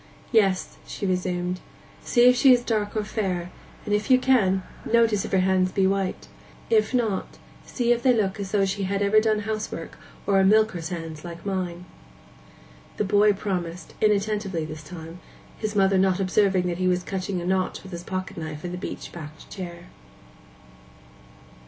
'Yes,' she resumed, 'see if she is dark or fair, and if you can, notice if her hands be white; if not, see if they look as though she had ever done housework, or are milker's hands like mine.' The boy again promised, inattentively this time, his mother not observing that he was cutting a notch with his pocket knife in the beech backed chair.